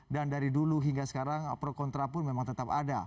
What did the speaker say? dan dari dulu hingga sekarang prokontra pun memang tetap ada